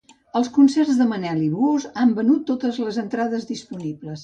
Els concerts de Manel i Buhos han venut totes les entrades disponibles.